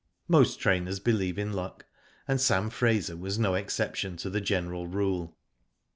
Most trainers believe in luck, and Sam Fraser was no exception to the general rule.